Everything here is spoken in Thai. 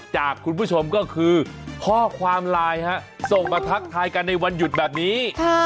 จากคุณผู้ชมก็คือข้อความไลน์ส่งมาทักทายกันในวันหยุดแบบนี้